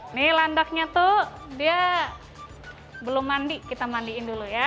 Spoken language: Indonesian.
ini landaknya tuh dia belum mandi kita mandiin dulu ya